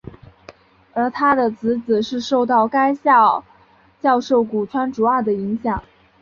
而他的姊姊是受到该校教授古川竹二的影响。